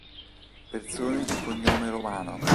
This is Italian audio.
Persone di cognome Romano